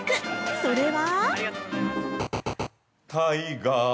それは？